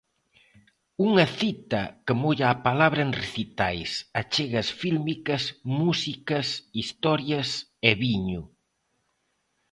Unha cita que molla a palabra en recitais, achegas fílmicas, músicas, historias e viño.